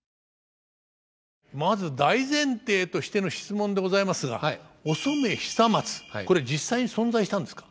まず大前提としての質問でございますがお染久松これ実際に存在したんですか。